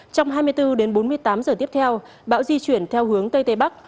trong hai mươi bốn đến bốn mươi tám giờ tiếp theo bão di chuyển theo hướng tây tây bắc